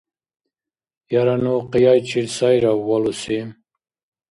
Яра ну къияйчил сайрав валуси?